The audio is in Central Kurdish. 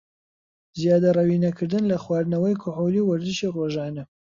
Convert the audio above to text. زیادەڕەوی نەکردن لە خواردنەوەی کحولی و وەرزشی رۆژانە